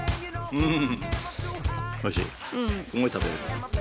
うん。